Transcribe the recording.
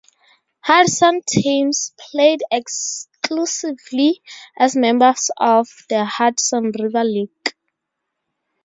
Hudson teams played exclusively as members of the Hudson River League.